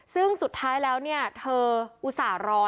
ซึ่งสุดท้ายแล้วเนี่ยเธออุตส่าห์รอ